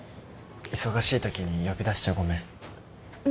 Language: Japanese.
忙しいときに呼び出してごめんう